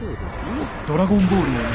ドラゴンボール